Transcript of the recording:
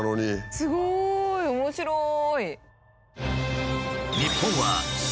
すごい！面白い！